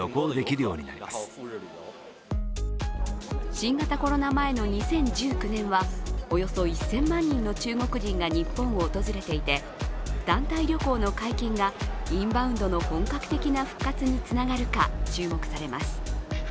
新型コロナ前の２０１９年はおよそ１０００万人の中国人が日本を訪れていて団体旅行の解禁がインバウンドの本格的な復活につながるか注目されます。